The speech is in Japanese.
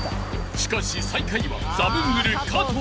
［しかし最下位はザブングル加藤］